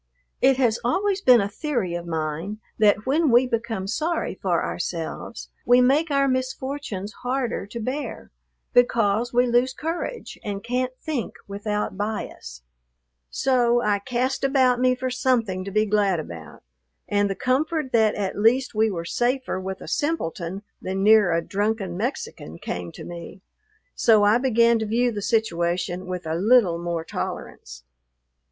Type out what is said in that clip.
It has always been a theory of mine that when we become sorry for ourselves we make our misfortunes harder to bear, because we lose courage and can't think without bias; so I cast about me for something to be glad about, and the comfort that at least we were safer with a simpleton than near a drunken Mexican came to me; so I began to view the situation with a little more tolerance.